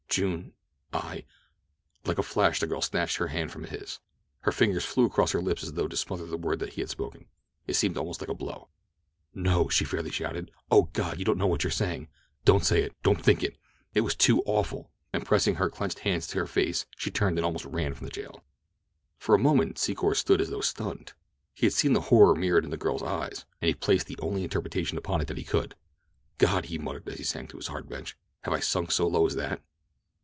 June, I—" Like a flash the girl snatched her hand from his. Her fingers flew across his lips as though to smother the word that he would have spoken—it seemed almost like a blow. "No!" she fairly shouted. "Oh, God, you don't know what you are saying! Don't say it—don't think it. It is too awful!" and pressing her clenched hands to her face she turned and almost ran from the jail. For a moment Secor stood as though stunned. He had seen the horror mirrored in the girl's eyes—and he had placed the only interpretation upon it that he could. "God," he muttered as he sank to his hard bench, "have I sunk so low as that?"